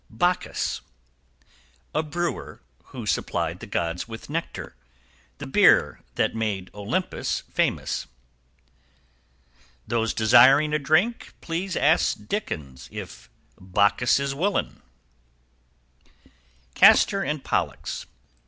=BACCHUS. A brewer, who supplied the Gods with nectar, the beer that made Olympus famous. =Those desiring a drink, please ask Dickens if "Bacchus is willin'."= CASTOR AND POLLUX.